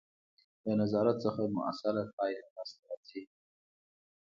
له نظارت څخه مؤثره پایله لاسته راځي.